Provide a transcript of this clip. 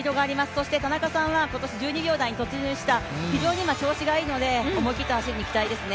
そして田中さんは今年１２秒台に突入した非常に今、調子がいいので、思い切った走りに期待ですね。